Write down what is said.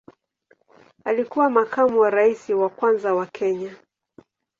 Alikuwa makamu wa rais wa kwanza wa Kenya.